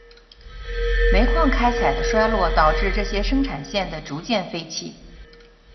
煤矿开采的衰落导致这些生产线的逐渐废弃。